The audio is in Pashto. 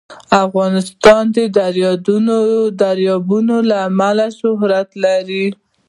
افغانستان د دریابونه له امله شهرت لري.